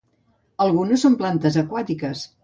Algunes són plantes aquàtiques.